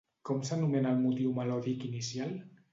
Com s'anomena el motiu melòdic inicial?